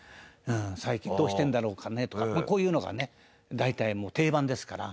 最近どうしてるんだろうかね？とかこういうのがね大体もう定番ですから。